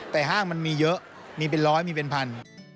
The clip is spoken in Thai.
แต่ห้างมันมีเยอะมีเป็นร้อยมีเป็นพัน